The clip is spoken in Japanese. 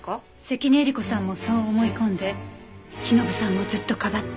関根えり子さんもそう思い込んでしのぶさんをずっとかばっている。